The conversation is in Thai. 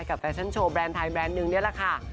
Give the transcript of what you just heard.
แฟชั่นโชว์แบรนด์ไทยแบรนด์นึงนี่แหละค่ะ